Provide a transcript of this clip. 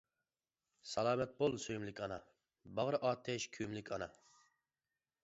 سالامەت بول سۆيۈملۈك ئانا، باغرى ئاتەش كۆيۈملۈك ئانا.